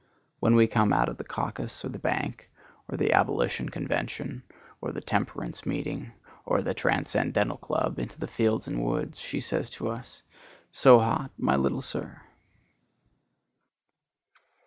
When we come out of the caucus, or the bank, or the Abolition convention, or the Temperance meeting, or the Transcendental club into the fields and woods, she says to us, 'So hot? my little Sir.